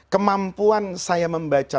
kemampuan saya membaca